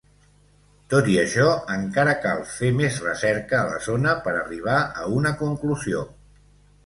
Tot i això, encara cal fer més recerca a la zona per arribar a una conclusió.